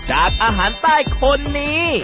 จากอาหารใต้คนนี้